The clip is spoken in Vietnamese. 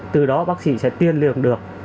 từ đó bác sĩ sẽ tiên liệu được